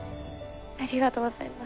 ありがとうございます。